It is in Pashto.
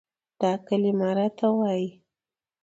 دا کلمه راته وايي،